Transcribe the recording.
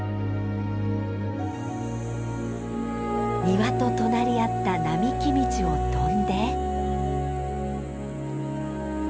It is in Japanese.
庭と隣り合った並木道を飛んで。